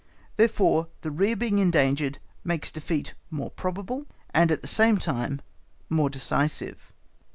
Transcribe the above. Therefore, the rear being endangered makes defeat more probable, and, at the same time, more decisive.